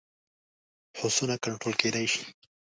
هوسونه کنټرول کېدای شي.